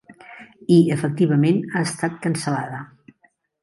I efectivament ha estat cancel·lada.